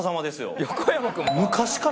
横山君も。